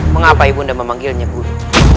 mengapai ibu nda memanggilnya guru